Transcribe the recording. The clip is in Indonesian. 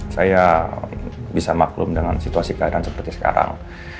saya bisa maklum dengan situasi keadaan seperti sekarang